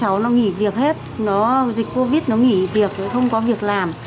cháu nó nghỉ việc hết dịch covid nó nghỉ việc nó không có việc làm